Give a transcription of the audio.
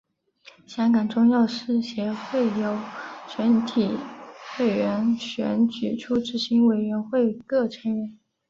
香港中药师协会由全体会员选举出执行委员会各成员。